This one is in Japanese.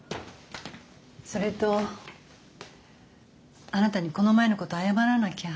それとあなたにこの前のこと謝らなきゃ。